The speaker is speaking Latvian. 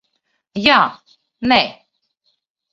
Jā. Nē.